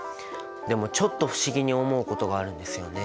でもちょっと不思議に思うことがあるんですよね。